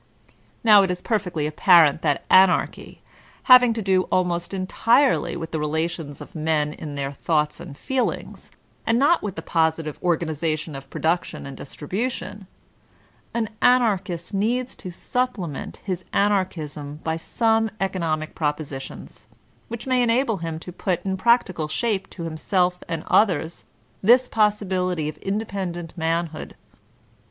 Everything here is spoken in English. Now it is perfectly apparent that Anarchy, having to do almost entirely with the rebtions of men in their thoughts and feelings, and not with the positive organiza tion of production and distribution, an Anarchist needs to supplement his Anarchism by some economic proposi tions, which may enable him to put in practical shape to himself and others this possibility of independent man hood.